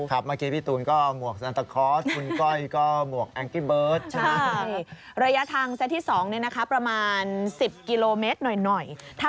ครับเมื่อกี้พี่ตูนก็มวกอันตราคอร์ส